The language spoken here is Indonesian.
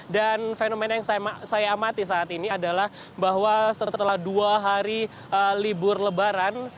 dan fenomena yang saya amati saat ini adalah bahwa setelah dua hari libur lebaran